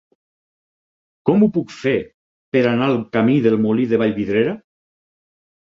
Com ho puc fer per anar al camí del Molí de Vallvidrera?